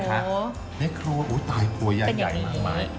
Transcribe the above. นี่ครัวอุ้ยตายครัวยังใหญ่มาก